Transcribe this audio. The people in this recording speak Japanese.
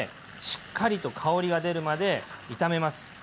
しっかりと香りが出るまで炒めます。